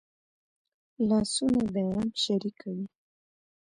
لاسونه د غم شریکه وي